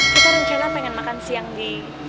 kita rencana pengen makan siang di